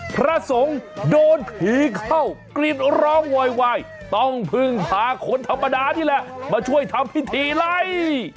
พระสงฆ์โดนผีเข้ากลิ่นร้องโวยวายต้องพึ่งพาคนธรรมดานี่แหละมาช่วยทำพิธีไล่